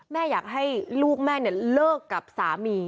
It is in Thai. แม่อยากให้ลูกแม่เลิกกับสามี